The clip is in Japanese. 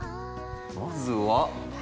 まずは。